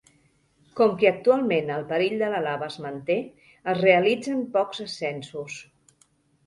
Com que actualment el perill de la lava es manté, es realitzen pocs ascensos.